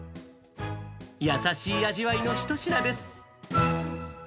優しい味わいの一品です。